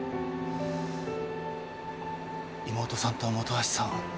妹さんと本橋さん。